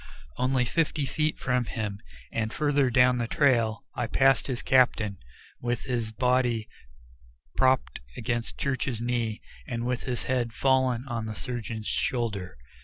Only fifty feet from him and farther down the trail I passed his captain, with his body propped against Church's knee and with his head fallen on the surgeon's shoulder.